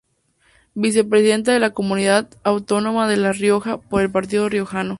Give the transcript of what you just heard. Vicepresidente de la comunidad autónoma de La Rioja por el Partido Riojano.